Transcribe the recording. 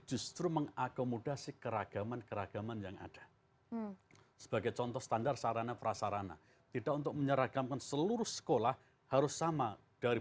buong ya pak menteri